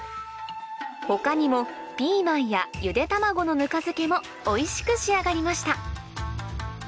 他にもピーマンやゆで卵のぬか漬けもおいしく仕上がりました